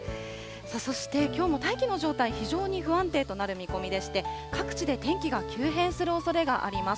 さあ、そしてきょうも大気の状態、非常に不安定となる見込みでして、各地で天気が急変するおそれがあります。